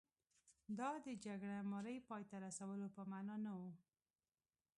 دا د جګړه مارۍ پای ته رسولو په معنا نه و.